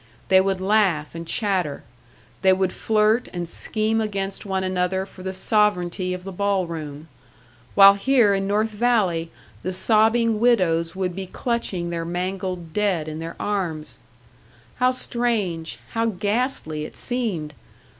They would laugh and chatter, they would flirt and scheme against one another for the sovereignty of the ball room while here in North Valley the sobbing widows would be clutching their mangled dead in their arms! How strange, how ghastly it seemed!